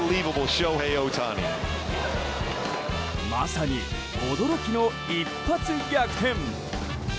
まさに驚きの一発逆転！